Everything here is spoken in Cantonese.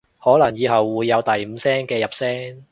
可能以後會有第五聲嘅入聲